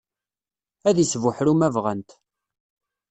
Ad isbuḥru ma bɣant.